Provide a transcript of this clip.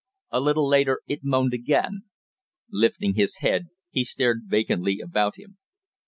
A little later it moaned again. Lifting his head he stared vacantly about him.